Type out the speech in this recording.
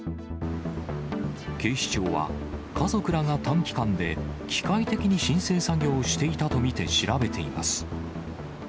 警視庁は家族らが短期間で、機械的に申請作業をしていたと見て調べています。